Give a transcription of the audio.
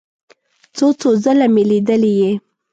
څو څو ځله مې لیدلی یې.